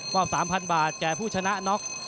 ปลอบสามพันบาทแก่ผู้ชนะน็อค